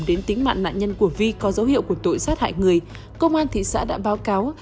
đến tính mạng nạn nhân của vi có dấu hiệu của tội sát hại người công an thị xã đã báo cáo